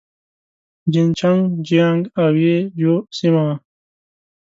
جين چنګ جيانګ او يي جو سيمه وه.